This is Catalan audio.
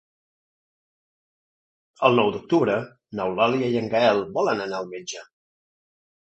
El nou d'octubre n'Eulàlia i en Gaël volen anar al metge.